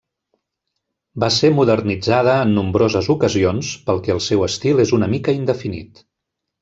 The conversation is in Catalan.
Va ser modernitzada en nombroses ocasions pel que el seu estil és una mica indefinit.